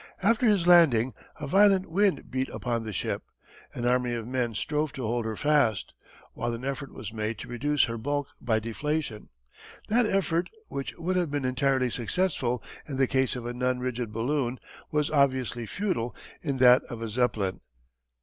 After his landing a violent wind beat upon the ship. An army of men strove to hold her fast, while an effort was made to reduce her bulk by deflation. That effort, which would have been entirely successful in the case of a non rigid balloon, was obviously futile in that of a Zeppelin.